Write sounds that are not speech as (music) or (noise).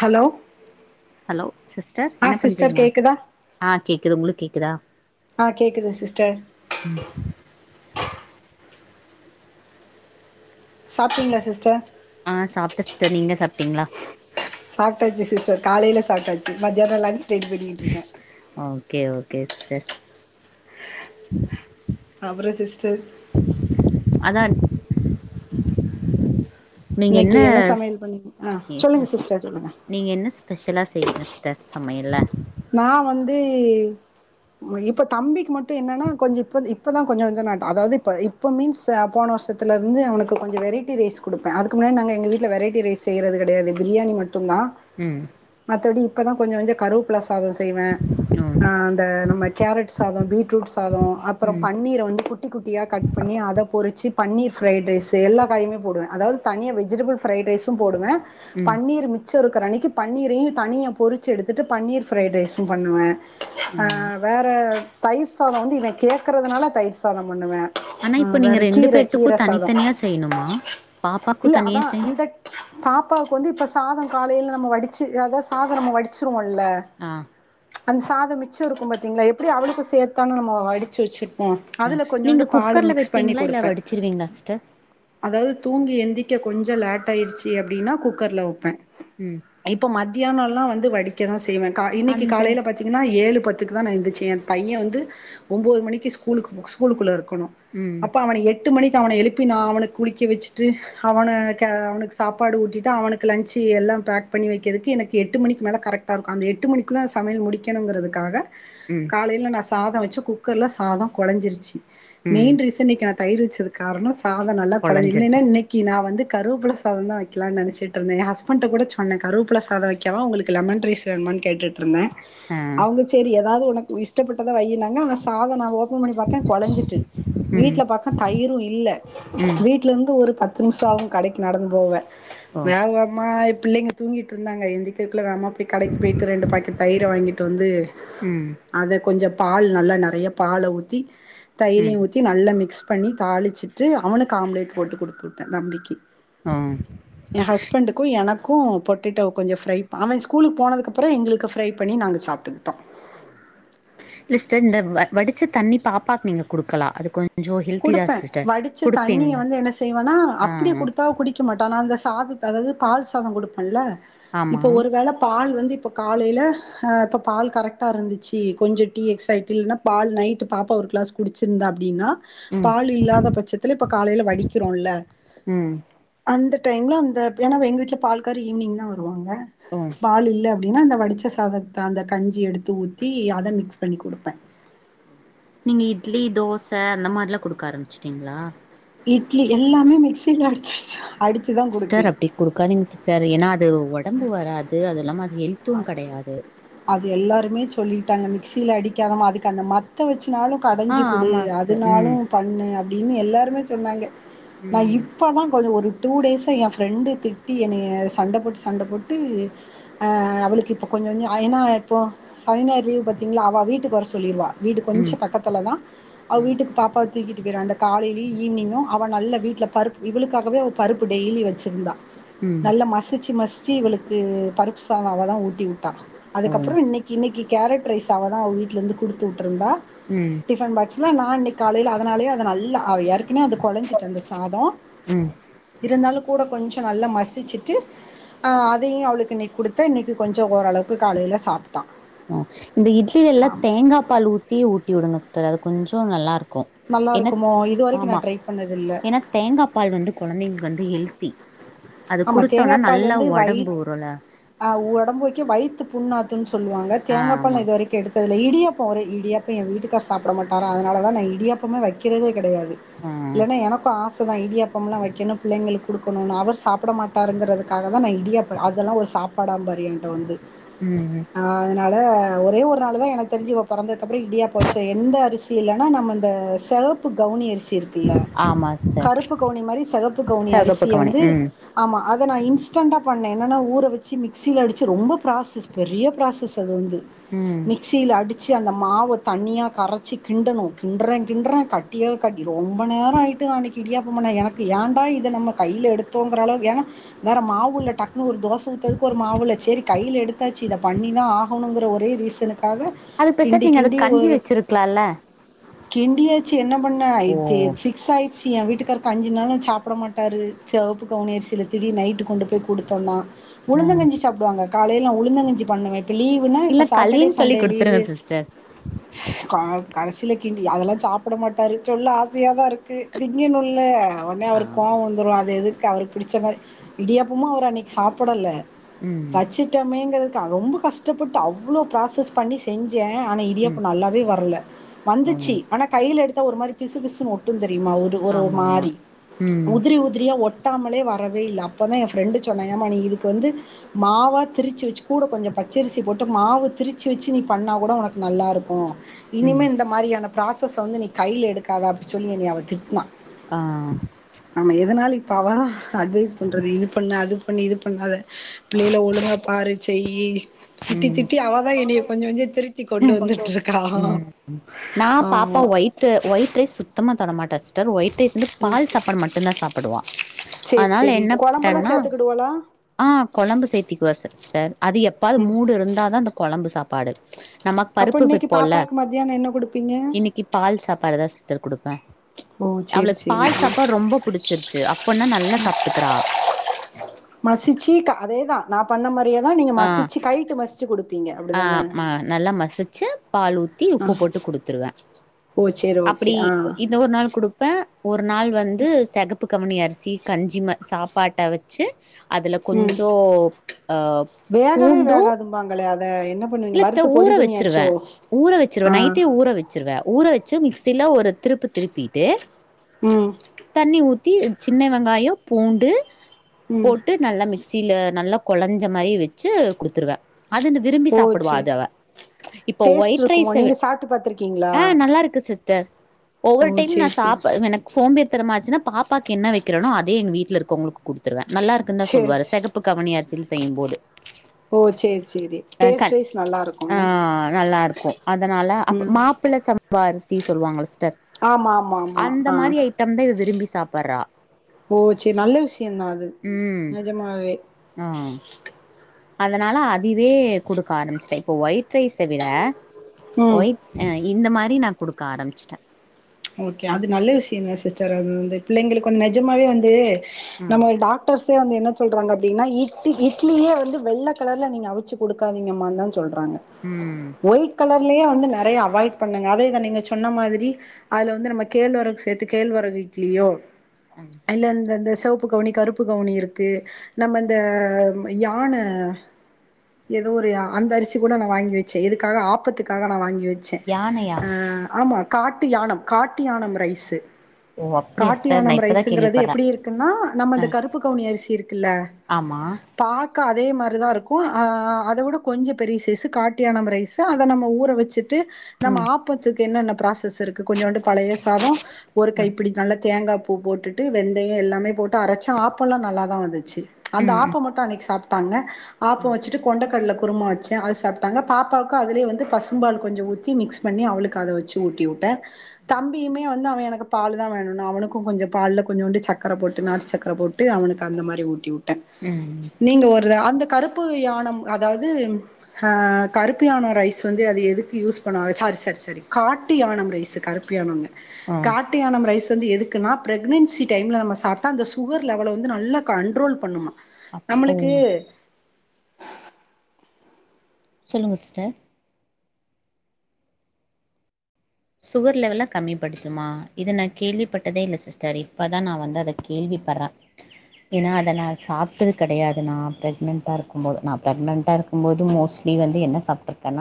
hello hello sister ஆ என்ன sister பண்றீங்க கேக்குதா ஆ கேக்குது உங்களுக்கு கேக்குதா ஆ கேக்குது சிஸ்டர் ம் சாப்ட்டீங்ளா சிஸ்டர் ஆ சாப்ட்டே சிஸ்டர் நீங்க சாப்ட்டீங்ளா சாப்ட்டாச்சு சிஸ்டர் காலைல சாப்ட்டாச்சு மத்யான லஞ்ச் ரெடி பண்ணிக்கிட்ருக்கே ஓகே ஓகே சிஸ்டர் அப்ற சிஸ்டர் அதான் இன்னைக்கு என்ன சமையல் பண்ணீங்க ஆ சொல்லுங்க சிஸ்டர் சொல்லுங்க நீங்க என்ன ஸ்பெஷலா செய்வீங்க சிஸ்டர் சமையல்ல நா வந்து ம் இப்ப தம்பிக்கு மட்டு என்னென்னா கொஞ்ச இப்பத் இப்ப தா கொஞ்ச கொஞ்ச நட அதாவ்து இப்ப இப் இப்போ மீன்ஸ் அ போன வர்ஷத்துல இருந்து அவனுக்கு கொஞ்ச வெரைட்டி ரைஸ் குடுப்பே அதுக்கு முன்னாடி நாங்க எங்க வீட்ல வெரைட்டி ரைஸ் செய்றது கெடையாது பிரியாணி மட்டுந்தா ம் மத்தபடி இப்பதா கொஞ்ச கொஞ்ச கருவப்பில்ல சாத செய்வே ம் ஆ அந்த நம்ம கேரட் சாதோ பீட்ரூட் சாதோ அப்புறோ ம் பன்னீர வந்து குட் குட்டி குட்டியா கட் பண்ணி அத பொரிச்சி பன்னீர் ஃப்ரைட் ரைஸ் எல்லா காயுமே போடுவே அதாவ்து தனியா வெஜிடேபிள் ஃப்ரைட் ரைஸு போடுவ ம் பன்னீர் மிச்ச இருக்குற அன்னைக்கு பன்னீரயு தனியா பொரிச்சு எடுத்துட்டு பன்னீர் ஃப்ரைட் ரைஸு பண்ணுவ அ ம் வேற தயிர் சாதோ வந்து இவ கேட்கறதுனால தயிர் சாதோ பண்ணுவே ஆனா ஆ இப்ப நீங்க வேற ரெண்டு கீர பேத்துக்கு கீர சாதோ தனித்தனியா செய்யணுமா பாப்பாக்கு இல்ல தனியா அதா செய் இந்தக் பாப்பாவுக்கு வந்து இப்ப சாதோ காலையில நம்ம வடிச்சு அதா சாதோ நம்ம வடிச்சிருவோல்ல ஆம் அந்த சாதோ மிச்சோ இருக்கும் பத்தீங்களா எப்டி அவளுக்கு சேத்தானு நம்ம வடிச்சி வச்சுட் ம் ஆ அதுல நீங்க கொஞ்சோண்டு பால குக்கர்ல மிக்ஸ் பண்ணி வைப்பீங்களா இல்ல கொடுப்பே வடிச்சிருவீங்களா சிஸ்டர் அதாவது தூங்கி எந்திக்க கொஞ்சோ லேட் ஆயிருச்சு அப்டின்னா குக்கர்ல வப்பே ம் இப்ப மத்தியானோல்லா வந்து வடிக்க தா செய்வ க இன்னிக்கு அந்த காலையில பாத் தீங்ன்னா ஏழு பத்துக்கு தா நா எந்திச்சே எ பைய வந்து ஒம்போது மணிக்கு ஸ்கூலுகு ஸ்கூலுக்குள்ள இருக்கணு ம் அப்ப அவன எட்டு மணிக்கு அவன எழுப்பி நா அவனுக் குளிக்க வச்சுட்டு அவன கெ அவனுக்கு சாப்பாடு ஊட்டிட்டு அவனுக்கு லன்ச்சி எல்லா பேக் பண்ணி வக்கிறதுக்கு எனக்கு எட்டு மணிக்கு மேல கரெக் டா ருக்கு அந்த எட்டு மணிக்குள்ள சமையல் முடிக்கணுங்கிறதுக்காக ம் காலைல நா சாதோ வச்சு குக்கர்ல சாதோ கொலஞ்சிருச்சி ம் மெய்ன் ரீஸ் இன்னைக்கி நா தயிர் வச்சது காரணோ சாதோ நல்லா கொழஞ்சி இல்லேனா கொழஞ்சிருச்சு இன்னெக் க்கி நா வந்து கருவப்புல சாதோ தா வைக்கலானு நெனச்சுட்டு இருந்தே எ ஹஸ்பண்ட்ட கூட சொன்ன கருவப்புல சாதோ வை கெவா உங்களுக்கு லெமன் ரைஸ் வேணுமானு கேட்டுட்ருந்தே ஆ செரி எதாவ்து உனக்கு இஷ்டப்பட்டதா வைனாங்க ஆனா சாதோ நா ஓபன் பண்ணி பாக்கே கொலஞ்சிட்டு ம் வீட்ல பாக்க தயிரு இல்ல ம் வீட்ல இந்து ஒரு பத்து நிம்ஷோ ஆவு கடைக்கு நடந்து போவ ஓ வேகவேகமா பிள்ளைங்க தூங்கிட்டு இருந்தாங்க எந்திக்கக்குள்ள வேமா போய் கடைக்கு போய்ட்டு ரெண்டு பாக்கெட் தயிர வாங்கிட்டு வந்து ம் அத கொஞ்சோ பால் நல்லா நறைய பால ஊத்தி தயிரையு ம் ஊத்தி நல் நல்லா மிக்ஸ் பண்ணி தாளிச்சிட்டு அவனுக்கு ஆம்லேட் போட்டு கொடுத்து வுட்டே தம்பிக்கி ஆம் எ ஹஸ்பண்டுக்கு எனக்கு பொட்டட்டோ கொஞ்சோ ஃப்ரை ப அவ ஸ்கூலுக்கு போனதுக்கு அப் அப்புறோ எங்களுக்கு ஃப்ரை பண்ணி நாங்க சாப்ட்டுக்ட்டோ லிஸ்டர் இந்த வடிச்ச தண்ணி பாப்பாக் நீங்க குடுக்கலா அது கொஞ் குடுப்ப வடிச்ச தண்ணிய வந்து என்ன செய்வேனா ஆ அப்டிய கொடுத்தா குடிக் குட்க்கமாட்ட ளா அந்த சாதத்து அளவு பால் சாதோ கொடுப்பன்ல்ல ஆமா இப்ப ஒருவேள பால் வந்து இப்ப காலைய்ல இப்போ பால் கரெக்டா இருந்துச்சி கொஞ்சோ டீ எக்ஸைட்டி இல்லன்னா பால் நைட்டு பாப்பா ஒரு கிளாஸ் குடிச்சிருந்தா அப்டின்னா ம் பால் இல்லாத பட்சத்துல இப்ப காலைல வடிக்கிறோல்ல ம் அந்த டைம்ல அந்த ஏனா எங்க வீட்ல பால்கார் ஈவ்னிங் தா வருவாங்க ம் பால் இல்ல அப் அப்டின்னா அந்த வடிச்ச சாதத்த அந்த கஞ்சி எடுத்து ஊத்தி அத மிக்ஸ் பண்ணி கொடுப்பே நீங்க இட்லி தோச அந்த மாரிலா கொடுக்க ஆரம்பிச்சிட்டீங்களா இட்லி எல்லாமே மிக்சில அடிச்ச அடிச்சுதா அடிச்சு தா கொடுக்கே கரிங் சிஸ்டர் ஏனா அது ஒடம்பு வராது அது இல்லாம அது ஹெல்த்து கடயாது அது எல்லாருமே சொல்லிட்டாங்க மிக்சியில அடிக்காலும் அதுக்கு அந்த மத்த வச்சுனாலு ஆ கடஞ்சி குடு ஆமா சிஸ்டர் அதுனாலு ம் பண்ணு அப்டின்னு எல்லாருமே சொன்னாங்க நா ம் இப் இப்பதா கொஞ்சோ ஒரு டூ டேஸா என் ஃப்ரெண்டு திட்டி என்னைய சண்ட போட்டு சண்ட போட்டு அ அவளுக்கு இப்போ கொஞ்சோ கொஞ்சோ ஏனா இப்போ சனி ஞாயிர் லீவு பாத்தீங்களா அவ வீட்டுக்கு வர சொல்லிடுவா வீடு ம் கொஞ்சோ பக்கத்லதா அவ ஆ வீட்டுக்கு பாப்பா தூக்கிட்டு போய்ருவா அந்த காலைலயு ஈவ்னிங்கு அவ நல்ல வீட்ல பருப்பு இவளுக்காகவே அவ பருப்பு டெய்லி வச்சிருந்தா ம் நல்லா மஸிச்சி மஸிச்சி இவளுக்கு பருப்பு சாத அவதா ஊட்டி விட்டா ஓ அதுக்கப்ற இன்னைக் இன்னைக்கி கேரட்ரைஸ் அவ தான் அவ வீட்லருந்து குடுத்து விட்ருந்தா ம் டிஃபன் பாக்ஸ்ல நா இன்னைக்கு காலைல அதனாலே அ நல்ல அவை இறக்கு ஏனா அது கொளஞ்சிட்டு அந்த சாத ம் இருந்தாலு கூட கொஞ்சோ நல்லா மசிச்சுட்டு அ அதையு அவளுக்கு இன்னைக் குடுத்து து இன்னைக்கு கொஞ்சோ ஓரளவு காலைல சாப்ட் ஓ இந்த இட்லி எல்லா தேங்கா பால் ஊத்தி ஊட்டி விடுங்க சிஸ்டர் அது கொஞ்சோ நல்லாருக்கு நல்லாருக்குமோ இது வரைக்கு நா ட்ரை பண்ணதில்ல ஏன்னா தேங்கா பால் வந்து கொழந்தைங்களுக்கு வந்து ஹெல்த்தி அது ஆமாம் குடுத்தோனா தேங்காய் பால் நல்லா வந்து உடம்பு வயிற் ஊருள உடம்பு வக்க வய்த்து புண்ணாத்துன் சொல்லுவாங்க ஆ தேங்கா பால் ஆமா நா இது வரைக்கு எடுத்தில்ல இடியப்ப ஒரு இடியப்ப என் வீட்டுக்கார் சாப்ட மாட்டாரு அதனால நா இடியாப்பமே வக்கிறதே கெடையாது ம் இல்லனா எனக்கு ஆச தா இடியாப்பம்லா வக்கணு பிள்ளைங்களுக்கு குடுக்கணுன் அவர் சாப் பிட மாட்டாருங்கறதுக்காக தா நா இடியாப் அதெல்லா ஒரு சாப்பாடாம்பாரு எங்கிட்டவந்து ம்ம் அதனால ஒரே ஒரு நாள் தா எனக்கு தெரிஞ்சு இவ பெறந்ததுக்கு அப்ற இடியாப்ப வச்ச எந்த அரிசி இல்லைனா நம்ம இந்த செவப்பு கவுனியரிசி இருக்கு ல்ல ஆமா சிஸ்டர் கருப்பு கவுனி மாரி சிகப்பு கவுனி செகப்பு அரிசிய கவுனி வந்து ம் ஆமா அத நா இன்ஸ்டண்டா பண்ண என்னனா ஊற வச்சு மிக்சில அடிச்சி ரொம்ப ப்ராசஸ் பெரிய ப்ராசஸ் அது வந்து ம் மிக்சில அடிச் சி அந்த மாவ தண்ணியா கரச்சி கிண்டணு கிண்றே கிண்றே கட்டிய கட்டி ரொம்ப நேர ஆய்ட்டு அன்னைக்கு இடியாப்ப பண்ண எனக்கு ஏண்டா இத நம்ம கைல எடுத்தோங்கிற அளவு ஏன்னா வேற மாவில்ல டக்குனு ஒரு தோச ஊத்ததுக்கு ஒரு மாவில்ல சரி கைல எடுத்தாச்சு இத பண்ணிதா ஆகணுங்கிற ஒரே ரீசன் னுக்காக அது பேசதுக்கு நீங்க அது கஞ்சி வச்சுருக்கலால கிண்டியாச்சு என்ன பண்ண ஓ (unintelligible) பிக்ஸ் ஆச்சு எ வீட்டுக்காரு கஞ்சி நாளு சாப்ட மாட்டாரு கவுனி அரிசில தீடீர்னு நைட்டு கொண்டு போய் குடுத்தோன ம் உளுந்தங்கஞ்சி சாப் டுவாங்க காலைல உளுந்தங்கஞ்சி பண்ணுவ இப்ப லீவ் இல்ல களின் சொல்லி குடுத்துருங்க சிஸ்டர் கா கடைசில கின்டி அதெல்லா சாப்ட மாட்டாரு சொல்ல ஆசயாதா இருக்கு திங்கனுல்ல உனே அவருக்கு கோவ ஆமா வந்துரு அது எதுக்கு அவரு புடிச்ச மாரி இடியாப்பமு அவர் அன்னைக்கு சாப்டல ம் வச்சுட்டமேங்கிறது ரொம்ப கஷ்டப்பட்டு அவ்ளோ ப்ராசஸ் பண்ணி செஞ்சே ஆனா இடியாப்ப ம் நல்லாவே வரல வந்துச்சு ம் ஆனா கைல எடுத்தா ஒரு மாரி பிசு பிசுனு ஒட்டு தெரியுமா ஒரு ஒரு ஆமா ஆமா மாரி ம் உதிரி உதிரியா ஒட் ட்டாமலே வரவே இல்ல அப்போதா எ ஃப்ரெண்டு சொன்னா ஏம்மா நீ இதுக்கு வந்து மாவா திரிச்சு வச்சு கூட கொஞ்சோ பச்சரிசி போட்டு மாவு திரிச்சு வச்சு நீ பண்ணா கூட உனக்கு நல்லாருக்கு இனிமே ம் இந்த மாரியான ப்ராசஸ்ஸ வந்து நீ கைல எடுக்காத அப்டி சொல்லி என்னைய அவ திட்னா ஆ நாம எதுனால பாவா அட்வைஸ் பண்றது இது பண்ணு அது பண்ணு இது பண்ணாத பிள்ளைகல ஒழுங்க பாரு செய்யி திட்டி ம் திட்டி அவதா என்னைய கொஞ்சோ கொஞ்சோ திருத்தி கொண்டு வந்துட்டு இருக்கா ம் நா பாப்பா ஆமா ஒயிட் ரைஸ் சுத்தமா தொடமாட்ட சிஸ்டர் ஒயிட் ரைஸ் வந்து பால் சாப்பாடு மட்டு தா சாப்புடுவா சரி அதனால சரி என்ன குழம்பெல்லாம் ட்டன சேர்த்துக்கிடுவாளா அ கொழம்பு சேர்த்திக்குவ சிஸ்டர் அது எப்பாவது ம் மூடு இருந்தாதா அந்த கொழம்பு சாப்பாடு நமக்கு அப்ப பருப்பு இன்னைக்கு வைப்போல பாப்பாக்கு மத்தியானம் என்ன குடுப்பீங்க இன்னைக்கு பால் சாப்பாடுதா சிஸ்டர் கொடுப்பே ஓ சேரி அவளுக்கு பால் சேரிக்கா சாப்பாடு ரொம்ப புடிச்சிருச்சு அப்பனா நல்லா சாப்பிட்டுக்கிறா மசிச்சு அதேதா நா பண்ண மாரியே தா நீங்க மசிச்சு கைய்ட மசிச்சு கொடுக் அ ஆமா நல்லா மசிச்சு பால் ஊத் த்தி ஆ உப்பு போட்டு கொடுத்துருவே ஓ சேரி ஓகே அப்டி ஆ இது ஒரு நாள் குடுப்பே ஒரு நாள் வந்து செகப்பு கவுனி அரிசி கஞ்சி மா சாப்பாட்ட வச்சு அதுல ம் கொஞ்சோ அ பூண்டு ப்பாங்களே அத என்னப் இல்ல சிஸ்டர் ஊற வச்சருவே ஊற வச்சுருவே ஆ நைட்டே ஊற வச் ச்சுருவே ஊற வச்சு மிக்சில ஒரு திருப்பு திருப்பிட்டு ம் தண்ணி ஊத்தி சின்ன வெங்காயம் பூண்டு ம் போட்டு நல்லா மிக்ஸ் சில நல்லா கொழஞ்ச மாரி வச்சு குடுத்துருவே அதுன்ன விரும்பி ஓ சாப்புடுவா சே அத ச் இப்ப டேஸ்ட் ஒயிட் இருக்குமோ ரைஸ்ச நீங்க சாப்ட்டு பாத்துருக்கீங்களா ஆ நல்லா இருக்கு சிஸ்டர் ஓ ஒவ்வொரு டைம் நா சேரி சேரி சாப்ப எனக் சோம்பேரிதனமாச்சுனா பாக்பாக்கு என்ன வைக்கிறனோ அதே எங்க வீட்ல இருக்கிறவங்களுக்கு குடுத்துருவே நல்லா இருக்குன்னு தா சேரி சொல்லுவாரு சே செகப் ப்ப கவனி அரசில செய்யுபோது ஓ சேரி சேரி அ டேஸ்ட் கன் வைஸ் நல்லா ஆ இருக்கும்ல நல்லாருக்கு அதனால அப் ம் மாப்பிள்ள சம் பா அரிசி சொல்லுவாங்கள சிஸ்டர் ஆமா ஆமா ஆமா அந்த ஆ மாரி ஐட்டம் தா இவ விரும்பி சாப்பட்றா ஓ செரி நல்ல விஷயந்தா அது ம் நெஜமாவே ஆ அதனால அதுவே குடுக்க ஆரம்மிச்சுட்ட இப்ப ஒயிட் ரைஸ்ச விட ம் ஒயிட் ஆ இந்த மாரி நா குடுக்க ஆரம்மிச்சிட்ட ஓகே அது நல்ல விஷயோ தா சிஸ்டர் அது வந்து பிள்ளைங்களுக்கு வந்து நெஜமாவே வந்து ம் நம்ம டாக் டாக்டர்சே வந்து என்ன சொல்றாங்க அப்டின்னா இட் இட்லியே வந்து வெள்ள கலர்ல நீங்க அவிச்சு குடுக்காதீங்கமா தா சொல்றாங்க ம் ஒயிட் கலர்லயே வந்து நெறையா அவாய்ட் பண்ணுங்க அதே தா நீங்க சொன்ன மாதிரி அதுல வந்து நம்ம கேழ்வரகு சேத்து கேழ்வரகு இட்லியோ ம் இல்ல அந்தந்த செவப்பு கவுனி கருப்பு கருப்பு கவுனி இருக்கு நம்ம இந்த யான ஏதோ ஒரு அந்த அரிசி கூட நா வாங்கி வச்சே எதுக்காக ஆப்பத்துக்காக நா வாங்கி வச் சே யானையா அ ஆமா காட்டு யானம் காட்டு யானம் ரைஸ்சு ஓ அப்டியா சிஸ்டர் நா காட்டுயானம் இப்பதா ரைஸ்சுங்குறது கேள்விப்பட்றே எப்டி இருக்குன்னா நம்ம அ இந்த கருப்பு கவுனி அரிசி இருக்குல்ல ஆமா பாக்க அதே மாரி தா இருக்கு ஆ அத வுட கொஞ்ச பெரிய சைஸ்சு காட்டுயானம் ரைஸ் அத நம்ம ஊற வச்சுட்டு நம்ம ம் ஆப்பத்துக்கு என்னென்ன ப்ராசஸ் இருக் கு கொஞ்சோண்டு பழைய சாதோ ஒரு ம் கைப்பிடி நல்ல தேங்கா பூ போட்டுட்டு வெந்தயோ எல்லாமே போட்டு அரச்சா ஆப்பெல்லா நல்லா தா வந்துச்சு அந்த ம் ஆப்போ மட்டு அன்னைக்கி சாப்ட்டாங்க ஆப்போ ம் வச்சுட்டு கொண்ட கடல குருமா வச்சே அது சாப்ட்டாங்க பாப்பாவுக்கு அதலயே வந்து பசும்பால் கொஞ்சோ ஊத்தி மிக்ஸ் பண்ணி அவளுக்கு அத வச்சு ஊட்டிவுட்ட தம்பியுமே வந்து அவன் எனக்கு பால் தான் வேணுன்னா அவனுக்கும் கொஞ்சோ பால்ல கொஞ்சோண்டு சக்கர போட்டு நாட்டு சக்கர போட்டு ட்டு அவனுக்கு அந்த மாரி ஊட்டி வுட்ட ம் நீங்க ஒரு அந்த கருப்பு யானம் அதாவ்து அ கருப்பு யானோம் ரைஸ் வந்து அது எதுக்கு யூஸ் பண்ணுவாங்க சாரி சாரி சாரி காட்டு யானம் ரைஸ்சு கருப் பு யானம்ன ஆ காட் ட்டு யானம் ரைஸ்சு வந்து எதுக்குனா ப்ரெக்னன்சி டைம்ல நம்ம சாப்ட்டா அந்த சுகர் லெவல வந்து நல்லா கண்ட்ரோல் பண்ணுமா அப்போ நம்மளுக்கு சொல்லுங்க சிஸ்டர் சுகர் லெவல கம்மிப்படுத்துமா இத நா கேள்விப்பட்டதே இல்ல சிஸ்டர் இப்பதான் நா வந்து அத கேள்விப்பற எனா அத நா சாப்ட்டது கெடையாது நா ப்ரெக்ன்ட்டா இருக்கும்போது நா ப்ரெக்னன்ட்டா இருக் கும் போது மோஸ்ட்லி வந்து என்ன சாப்ட்ருக்கன்னா